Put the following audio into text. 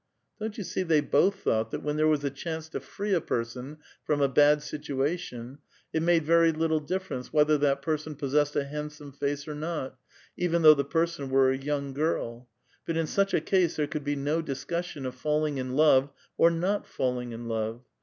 Don't you see they Ix^lh thought that when there was a chance to free a person from a bad situation, it made very little difference whether that person possessed a handsome face or not, even though the person were a young girl ; but in such a case there could be no discussion of falling in love or not falling in love.